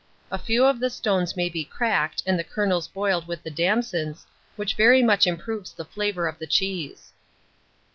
A few of the stones may be cracked, and the kernels boiled with the damsons, which very much improves the flavour of the cheese.